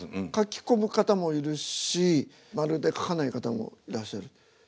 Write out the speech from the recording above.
書き込む方もいるしまるで書かない方もいらっしゃる。